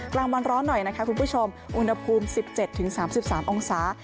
กลางวันร้อนหน่อยนะคะคุณผู้ชมอุณหภูมิสิบเจ็ดถึงสามสิบสามองศา